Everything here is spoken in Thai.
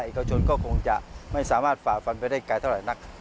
เอกชนก็คงจะไม่สามารถฝ่าฟันไปได้ไกลเท่าไหร่นัก